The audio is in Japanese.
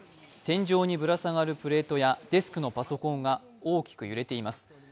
天井にぶら下がるプレートやデスクのパソコンが大きく揺れています